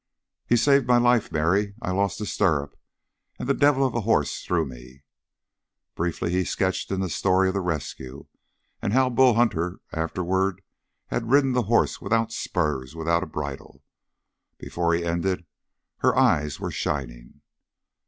"He saved my life, Mary. I lost a stirrup, and the devil of a horse threw me." Briefly he sketched in the story of the rescue, and how Bull Hunter afterward had ridden the horse without spurs, without a bridle. Before he ended her eyes were shining.